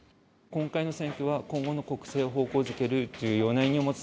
今回の選挙は今後の国政を方向づける重要な意味を持つ